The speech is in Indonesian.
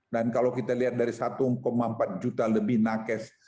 kalau kita lihat dari satu empat juta lebih nakes